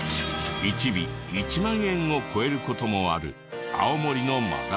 一尾１万円を超える事もある青森のマダラ。